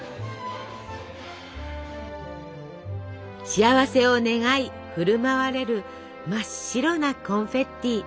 幸せを願い振る舞われる真っ白なコンフェッティ。